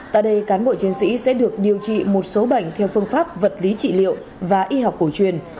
tại đây cán bộ chiến sĩ sẽ được điều trị một số bệnh theo phương pháp vật lý trị liệu và y học cổ truyền